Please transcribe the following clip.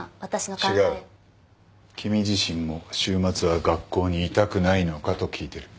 君自身も週末は学校にいたくないのかと聞いている。